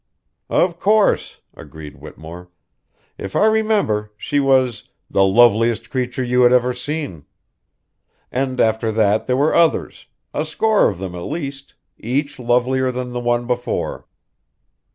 "Of course," agreed Whittemore. "If I remember, she was 'the loveliest creature you had ever seen.' And after that there were others a score of them at least, each lovelier than the one before."